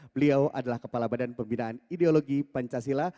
beliau adalah kepala badan pembinaan ideologi pancasila